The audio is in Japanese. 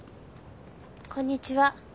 こんにちは。